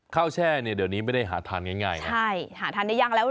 ข้าวแช่เดี๋ยวนี้ไม่ได้หาทานง่ายใช่หาทานได้ยังแล้ว